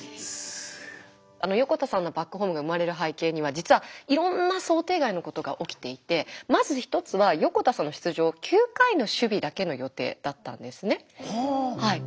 あの横田さんのバックホームが生まれる背景には実はいろんな想定外のことが起きていてまず一つは横田さんの出場９回の守備だけの予定だったんですね。